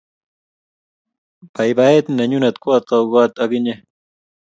baibaiet nenyun ko a tau kot ak inyen